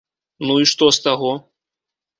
Ну і што з таго?